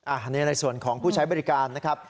อันนี้ในส่วนของผู้ใช้บริการนะครับ